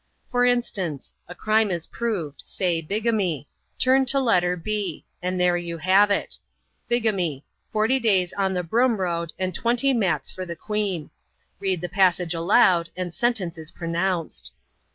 For instance : a crime is proved, — say? bigamy ; turn to letter B. — and there you have it. Biga my :— forty days on the Broom Road, and twenty mats for the queen. Read the passage aloud, and sentence is pronounced.